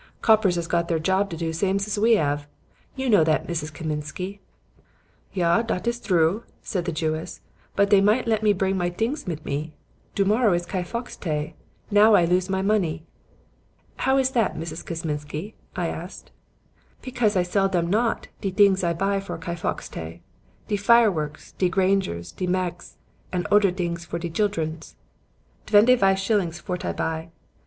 Coppers 'as got their job to do same as what we 'ave. You know that, Mrs. Kosminsky.' "'Ja, dat is droo,' said the Jewess; 'but dey might let me bring my dings mit me. Do morrow is Ky fox tay. Now I lose my money.' "'How is that, Mrs. Kosminsky?' I asked. "'Pecause I shall sell dem not, de dings vot I buy for Ky fox tay; de fireworks, de gragers, de masgs and oder dings vor de chiltrens. Dvendy vaive shillings vort I buy.